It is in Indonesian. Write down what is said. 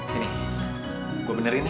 sini gue benerin ya